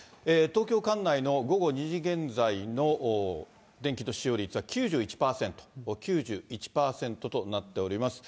東京管内の午後２時現在の電気の使用率は９１％、９１％となっております。